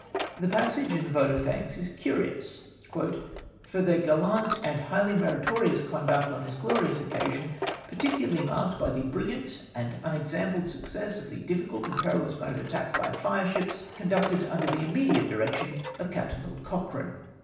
The passage in the vote of thanks is curious :" for then" gallant and highly meritorious conduct on this glorious occasion, particularly marked by the brilliant and unexampled success of the dijicidt and perilous mode of attack by fireships^ conducted under the im mediate direction of Captain Lord Cochrane